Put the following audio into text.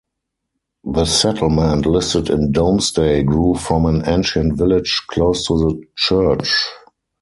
The settlement listed in Domesday grew from an ancient village close to the church.